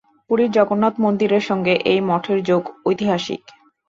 পুরীর জগন্নাথ মন্দিরের সঙ্গে এই মঠের যোগ ঐতিহাসিক।